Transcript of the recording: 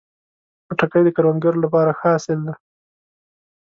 خټکی د کروندګرو لپاره ښه حاصل دی.